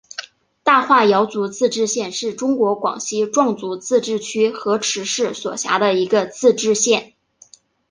大化瑶族自治县是中国广西壮族自治区河池市所辖的一个自治县。